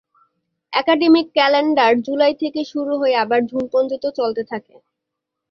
Academic calendar July থেকে শুরু হয়ে আবার জুন পর্যন্ত চলতে থাকে।